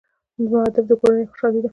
زما هدف د کورنۍ خوشحالي ده.